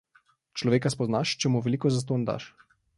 Človeka spoznaš, če mu veliko zastonj daš.